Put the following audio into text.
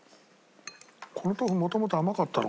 この豆腐もともと甘かったのかな？